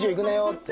って。